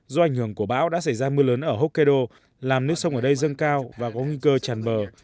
do ảnh hưởng của bão đã xảy ra mưa lớn ở hokkaido làm nước sông ở đây dâng cao và có nguy cơ tràn bờ